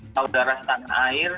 saudara setan air